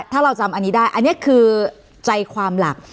ถ้าเราจำอันนี้ได้อันนี้คือใจความหลัก